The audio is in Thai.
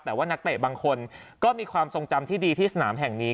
แต่ว่านักเตะบางคนก็มีความทรงจำที่ดีที่สนามแห่งนี้